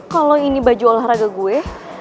kalau ini baju olahraga gue